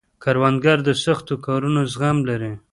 کروندګر د سختو کارونو زغم لري